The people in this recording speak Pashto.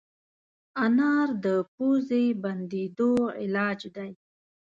انار د پوزې بندېدو علاج دی.